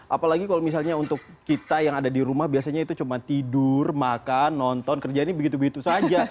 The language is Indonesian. apalagi kalau misalnya untuk kita yang ada di rumah biasanya itu cuma tidur makan nonton kerjaannya begitu begitu saja